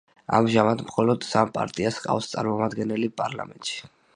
ამჟამად მხოლოდ სამ პარტიას ჰყავს წარმოამდგენელი პარლამენტში.